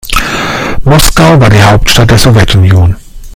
Moskau war die Hauptstadt der Sowjetunion.